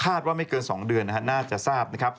ว่าไม่เกิน๒เดือนน่าจะทราบนะครับ